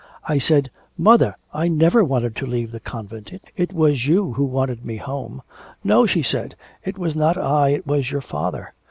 'I said, "Mother, I never wanted to leave the convent, it was you who wanted me home." "No," she said, "it was not I, it was your father.